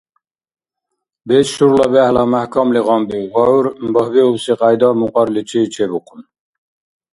БецӀ шурла бехӀла мяхӀкамли гъамбиуб ва гӀур багьбиубси кьяйда мукьарличи чебухъун.